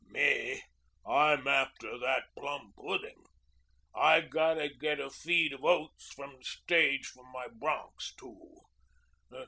"Me, I'm after that plum pudding. I gotta get a feed of oats from the stage for my bronchs too.